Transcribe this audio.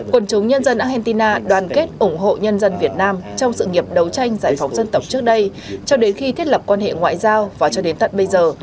quân chúng nhân dân argentina đoàn kết ủng hộ nhân dân việt nam trong sự nghiệp đấu tranh giải phóng dân tộc trước đây cho đến khi thiết lập quan hệ ngoại giao và cho đến tận bây giờ